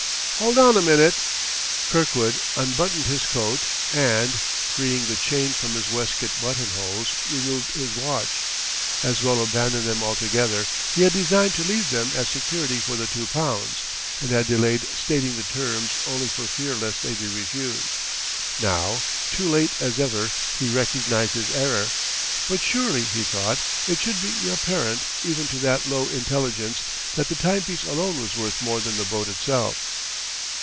"Hold on a minute." Kirkwood unbuttoned his coat and, freeing the chain from his waistcoat buttonholes, removed his watch.... As well abandon them altogether; he had designed to leave them as security for the two pounds, and had delayed stating the terms only for fear lest they be refused. Now, too late as ever, he recognized his error. But surely, he thought, it should be apparent even to that low intelligence that the timepiece alone was worth more than the boat itself.